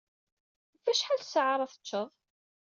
Ɣef wacḥal ssaɛa ara teččeḍ?